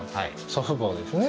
祖父母ですね